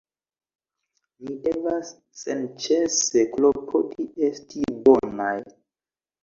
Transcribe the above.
Ni devas senĉese klopodi esti bonaj.